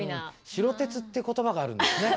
城鉄っていう言葉があるんですね。